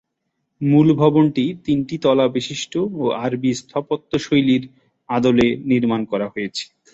মূল ভবনটি তিনটি তলা বিশিষ্ট ও আরবি স্থাপত্যশৈলীর আদলে নির্মাণ করা হয়েছে।